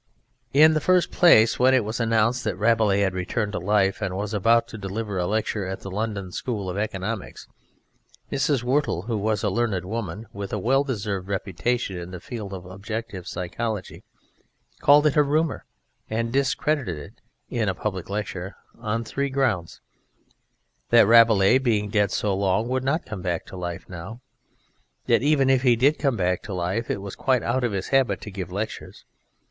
In the first place, when it was announced that Rabelais had returned to life and was about to deliver a lecture at the London School of Economics, Mrs. Whirtle, who was a learned woman, with a well deserved reputation in the field of objective psychology, called it a rumour and discredited it (in a public lecture) on these three grounds: (a) That Rabelais being dead so long ago would not come back to life now. (b) That even if he did come back to life it was quite out of his habit to give lectures.